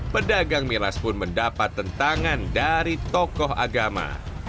pedagang miras pun mendapat tentangan dari tokoh agama